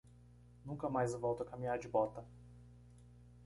Nunca mais volto a caminhar de bota.